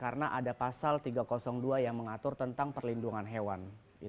karena ada pasal tiga ratus dua yang mengatur tentang perlindungan hewan